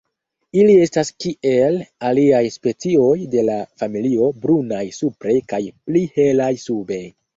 Ili estas kiel aliaj specioj de la familio brunaj supre kaj pli helaj sube.